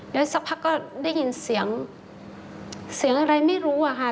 แล้วสักพักก็ได้ยินเสียงเสียงอะไรไม่รู้อะค่ะ